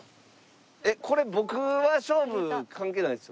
えっこれ僕は勝負関係ないですよね？